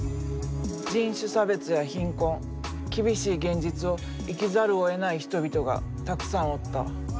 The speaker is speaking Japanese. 人種差別や貧困厳しい現実を生きざるをえない人々がたくさんおった。